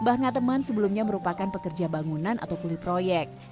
mbah ngateman sebelumnya merupakan pekerja bangunan atau kulit proyek